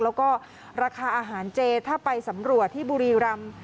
แล้วก็ราคาอาหารเจถ้าไปสำรวจที่บุรีรำ